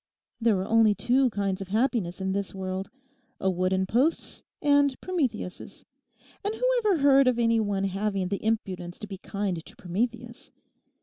There are only two kinds of happiness in this world—a wooden post's and Prometheus's. And who ever heard of any one having the impudence to be kind to Prometheus?